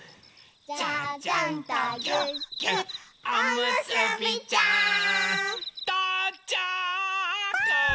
「ちゃちゃんとぎゅっぎゅっおむすびちゃん」とうちゃく！